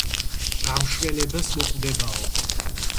გამშველებელს მოხვდებაო.